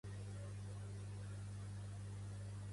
Luis Climent Cicujano va ser un periodista nascut a Tortosa.